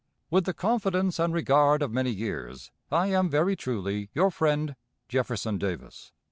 With the confidence and regard of many years, I am very truly your friend, "JEFFERSON DAVIS."